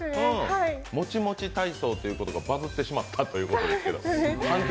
モチモチ体操ということがバズってしまったということですが。